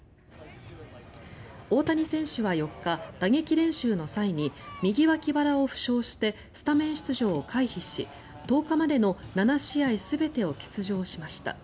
大谷選手は４日、打撃練習の際に右脇腹を負傷してスタメン出場を回避し１０日までの７試合全てを欠場しました。